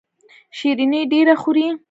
شیریني ډیره خورئ؟